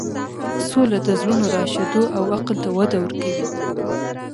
سوله د زړونو راشدو او عقل ته وده ورکوي.